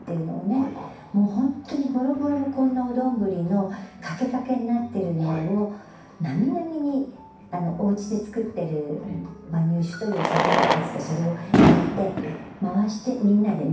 もうホントにぼろぼろのこんなお丼の欠け欠けになってるのをなみなみにおうちでつくってる馬乳酒というお酒なんですけどそれを入れて回してみんなで飲む。